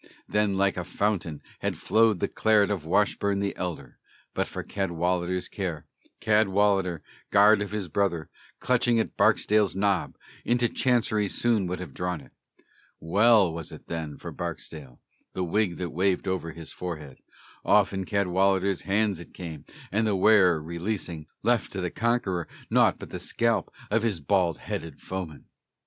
Then like a fountain had flowed the claret of Washburne the elder, But for Cadwallader's care, Cadwallader, guard of his brother, Clutching at Barksdale's nob, into Chancery soon would have drawn it. Well was it then for Barksdale, the wig that waved over his forehead: Off in Cadwallader's hands it came, and, the wearer releasing, Left to the conqueror naught but the scalp of his bald headed foeman.